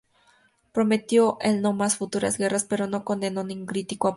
Prometió el no a más futuras guerras, pero no condenó ni criticó a Polk.